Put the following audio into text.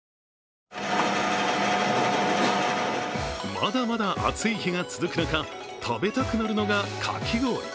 まだまだ暑い日が続く中食べたくなるのがかき氷。